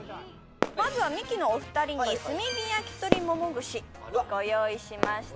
まずはミキのお二人に炭火やきとりもも串ご用意しました